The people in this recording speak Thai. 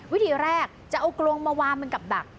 วิธีแรกจะเอากรงมาวางเหมือนกับดัก